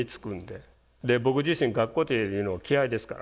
僕自身学校というのを嫌いですから。